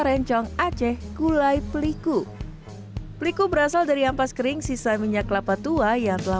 rencong aceh gulai peliku peliku berasal dari ampas kering sisa minyak kelapa tua yang telah